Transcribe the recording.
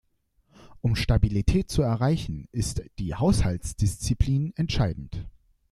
Um Stabilität zu erreichen, ist die Haushaltsdisziplin entscheidend.